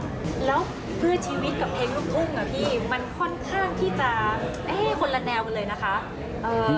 แล้วเพื่อชีวิตกับเพลงลูกทุ่งอ่ะพี่มันค่อนข้างที่จะเอ๊ะคนละแนวกันเลยนะคะเอ่อ